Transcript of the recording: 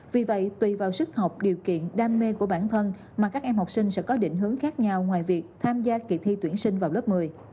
vì vậy tùy vào sức học điều kiện đam mê của bản thân mà các em học sinh sẽ có định hướng khác nhau ngoài việc tham gia kỳ thi tuyển sinh vào lớp một mươi